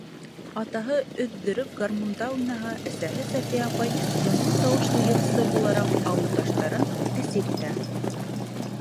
Атаһы өҙҙөрөп гармунда уйнаһа, әсәһе Сафия апай моңло тауышлы йырсы булараҡ ауылдаштарын әсир итә.